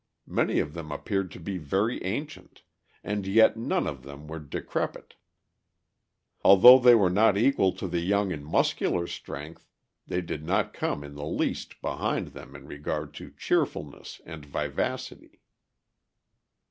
Many of them appeared to be very ancient, and yet none of them were decrepit. Although they were not equal to the young in muscular strength, they did not come in the least behind them in regard to cheerfulness and vivacity.